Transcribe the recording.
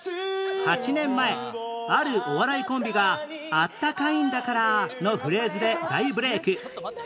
８年前あるお笑いコンビが「あったかいんだからぁ」のフレーズで大ブレーク